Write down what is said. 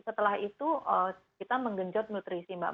setelah itu kita menggenjot nutrisi mbak